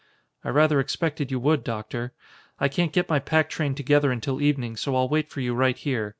"I rather expected you would, Doctor. I can't get my pack train together until evening, so I'll wait for you right here.